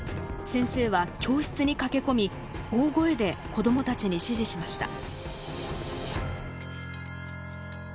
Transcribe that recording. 先生は教室に駆け込み大声で子供たちに指示しました。